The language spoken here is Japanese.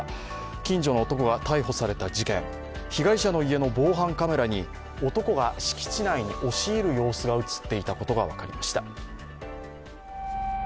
近所の男が逮捕された事件、被害者の家の防犯カメラに男が敷地内に押し入る様子が映っていたことが分かりました。